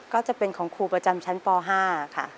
ก็จะเป็นของครูประจำชั้นป๕ค่ะ